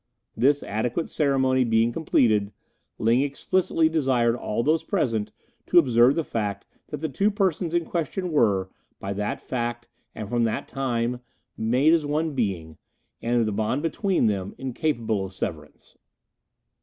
This adequate ceremony being completed, Ling explicitly desired all those present to observe the fact that the two persons in question were, by that fact and from that time, made as one being, and the bond between them, incapable of severance.